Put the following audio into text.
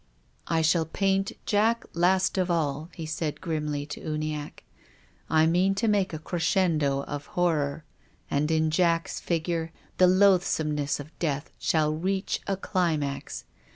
" I shall paint Jack last of all," he said grimly, to Uniacke. " I mean to make a crescendo of horror, and in Jack's figure the loathsomeness of death shall reach a climax.